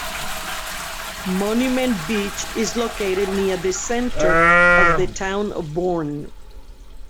Monument Beach is located near the center of the town of Bourne.